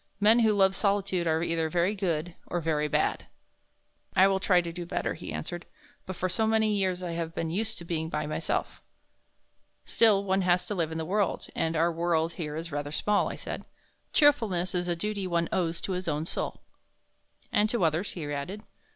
"Men who love solitude are either very good or very bad." "I will try to do better," he answered, "but for so many years I have been used to being by myself." "Still one has to live in the world and our world here is rather small," I said. "Cheerfulness is a duty one owes to his own soul." "And to others," he added.